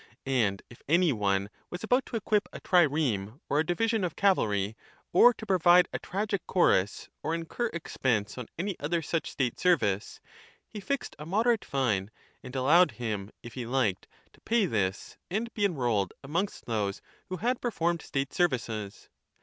And if any one was about to equip a trireme or a division of cavalry or to provide a tragic chorus or incur expense on any other such state service, he fixed a moderate fine and allowed him, if he liked, to pay this and be enrolled amongst those who had performed state services.